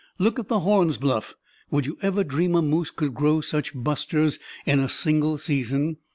Look at the horns, Bluff; would you ever dream a moose could grow such busters in a single season?"